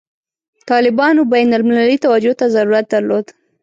طالبانو بین المللي توجه ته ضرورت درلود.